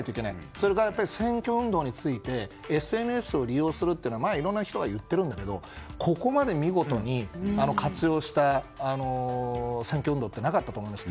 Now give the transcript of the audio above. それから選挙運動についてＳＮＳを利用するっていうのはいろんな人が言ってるんだけどここまで見事に活用した選挙運動ってなかったと思います。